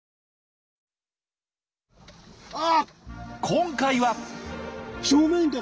今回は！